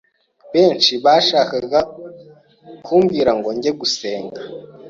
benshi bashakaga kumbwira ngo njye gusenga